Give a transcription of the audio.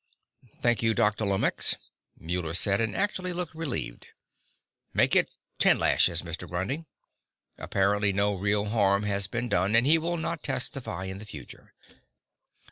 "Thank you, Dr. Lomax," Muller said, and actually looked relieved. "Make it ten lashes, Mr. Grundy. Apparently no real harm has been done, and he will not testify in the future."